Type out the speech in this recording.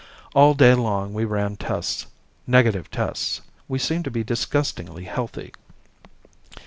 All day long we ran tests. Negative tests. We seem to be disgustingly healthy.